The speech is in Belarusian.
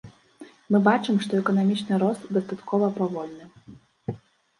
Мы бачым, што эканамічны рост дастаткова павольны.